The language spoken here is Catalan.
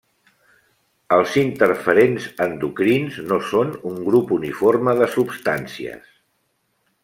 Els interferents endocrins no són un grup uniforme de substàncies.